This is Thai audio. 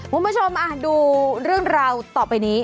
คุณผู้ชมดูเรื่องราวต่อไปนี้